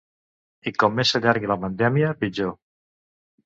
I com més s’allargui la pandèmia, pitjor.